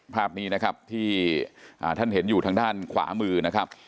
ภาพนี้นะครับที่ท่านเห็นอยู่ทางด้านขวามือนะครับ